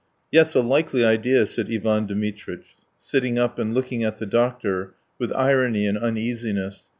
..." "Yes, a likely idea!" said Ivan Dmitritch, sitting up and looking at the doctor with irony and uneasiness.